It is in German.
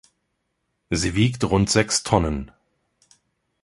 Sie wiegt rund sechs Tonnen.